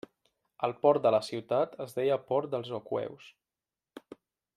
El port de la ciutat es deia Port dels Aqueus.